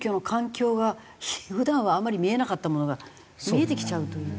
普段はあんまり見えなかったものが見えてきちゃうという。